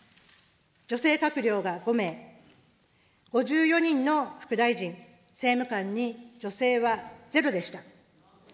女性閣僚が５名、５４人の副大臣、政務官に女性はゼロでした。